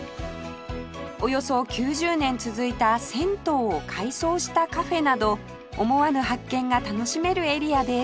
およそ９０年続いた銭湯を改装したカフェなど思わぬ発見が楽しめるエリアです